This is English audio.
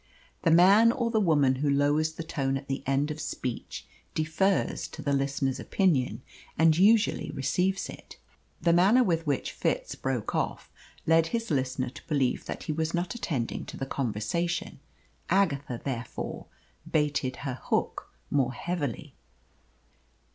The man or the woman who lowers the tone at the end of speech defers to the listener's opinion, and usually receives it. The manner with which Fitz broke off led his listener to believe that he was not attending to the conversation. Agatha therefore baited her hook more heavily.